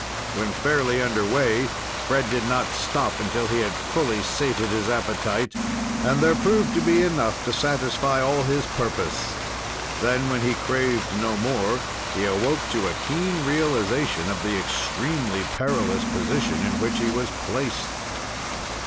When fairly under way, Fred did not stop until he had fully sated his appetite, and there proved to be enough to satisfy all his purpose. Then, when he craved no more, he awoke to a keen realization of the extremely perilous position in which he was placed.